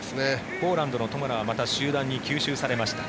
ポーランドのトマラはまた集団に吸収されました。